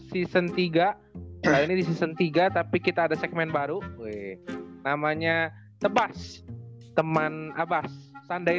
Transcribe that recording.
season tiga kali ini di season tiga tapi kita ada segmen baru namanya tebas teman abas sunday